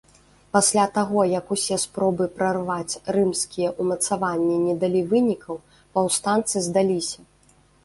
Пасля таго, як усе спробы прарваць рымскія ўмацаванні не далі вынікаў, паўстанцы здаліся.